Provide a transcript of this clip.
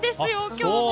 今日も。